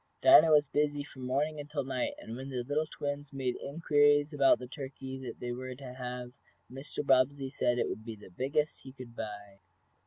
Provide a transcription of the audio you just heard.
Dinah was busy from morning until night, and when the little twins made inquiries about the turkey they were to have Mr. Bobbsey said it would be the biggest he could buy.